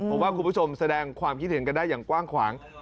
ผมว่าคุณผู้ชมแสดงความคิดเห็นกันได้อย่างกว้างขวาง